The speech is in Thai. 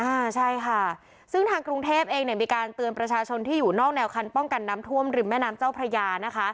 อ่าใช่ค่ะซึ่งทางกรุงเทพเองเนี่ยมีการเตือนประชาชนที่อยู่นอกแนวคันป้องกันน้ำท่วมริมแม่น้ำเจ้าพระยานะคะ